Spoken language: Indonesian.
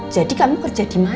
jadi kamu kerja di mana